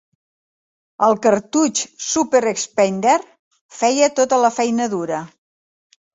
El cartutx "Super Expander" feia tota la feina dura.